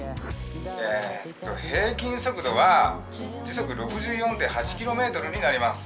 えっと平均速度は時速６４．８ｋｍになります。